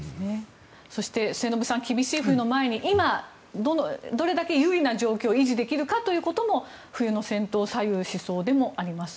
そして末延さん厳しい冬の前に今、どれだけ有利な状況を維持できるかということも冬の戦闘を左右しそうでもあります。